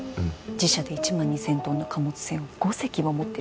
自社で１万２，０００ｔの貨物船を５隻も持ってるそうよ。